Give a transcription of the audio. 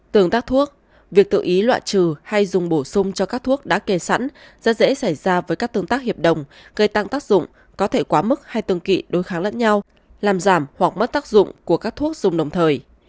tương tác thuốc việc tự ý loại trừ hay dùng bổ sung cho các thuốc đã kê sẵn rất dễ xảy ra với các tương tác hiệp đồng gây tăng tác dụng có thể quá mức hay tương kỵ đối kháng lẫn nhau làm giảm hoặc mất tác dụng của các thuốc dùng đồng thời